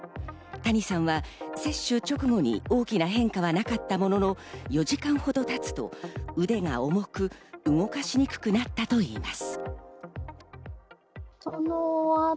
谷さんは接種直後に大きな変化はなかったものの、４時間ほどたつと腕が重く、動かしにくくなったといいます。